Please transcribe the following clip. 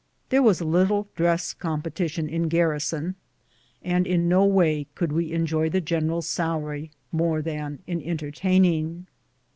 There was little dress competition in garrison, and in no way could we enjoy the general's salary more than in entertaining.